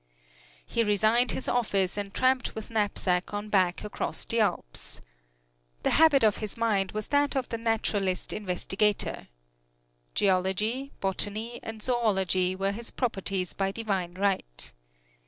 He resigned his office and tramped with knapsack on back across the Alps. The habit of his mind was that of the naturalist investigator. Geology, botany and zoology were his properties by divine right.